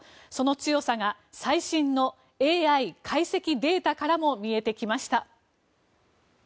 その強さが最新のＡＩ解析データからも見えてきました。